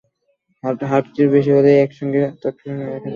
হার্ডডিস্কের আকার বেশি হলে একই সঙ্গে বেশি তথ্য সংরক্ষণ করা যায়।